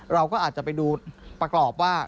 เราก็อาจจะไปดูประกอบว่า